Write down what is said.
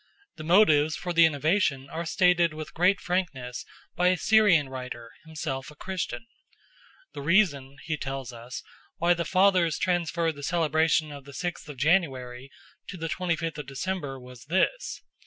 The motives for the innovation are stated with great frankness by a Syrian writer, himself a Christian. "The reason," he tells us, "why the fathers transferred the celebration of the sixth of January to the twenty fifth of December was this.